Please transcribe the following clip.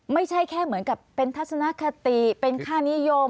ไม่ใช่แค่เหมือนกับเป็นทัศนคติเป็นค่านิยม